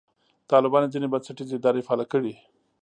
طالبانو ځینې بنسټیزې ادارې فعاله کړې.